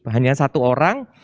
hanya satu orang